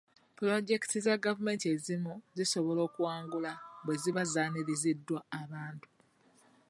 Pulojekiti za gavumenti ezimu zisobola okuwangula bwe ziba zaaniriziddwa abantu.